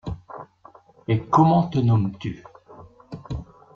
Et comment te nommes-tu?